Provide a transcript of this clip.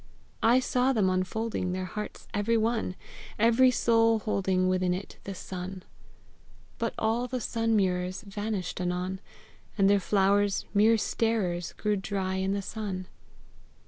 I saw them unfolding Their hearts every one! Every soul holding Within it the sun! But all the sun mirrors Vanished anon; And their flowers, mere starers, Grew dry in the sun.